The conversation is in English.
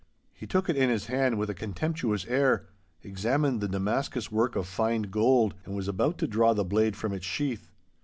He took it in his hand with a contemptuous air, examined the Damascus work of fine gold, and was about to draw the blade from its sheath.